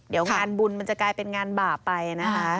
เดี๋ยวงานบุญมันจะกลายเป็นงานบาปไปนะคะ